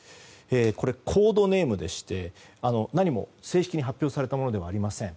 これコードネームでして何も正式に発表されたものではありません。